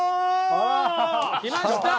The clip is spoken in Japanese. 来ました。